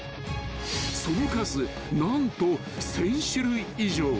［その数何と１，０００種類以上］